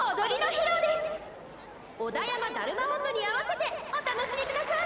「小田山だるま音頭」に合わせてお楽しみ下さい！